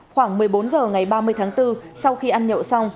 khoảng một mươi bốn h ngày ba mươi tháng bốn sau khi ăn nhậu xong